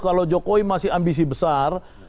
kalau jokowi masih ambisi besar